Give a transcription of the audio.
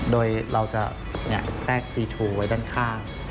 โดยเราจะแทรกซีทูไว้ด้านข้าง